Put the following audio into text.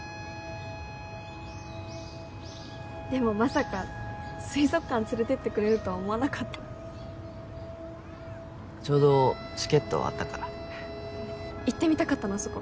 でもまさか水族館連れてってくれるとは思わなかったちょうどチケットあったから行ってみたかったのあそこ